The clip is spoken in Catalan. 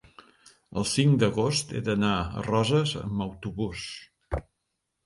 el cinc d'agost he d'anar a Roses amb autobús.